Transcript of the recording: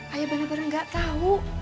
ayah bener bener gak tau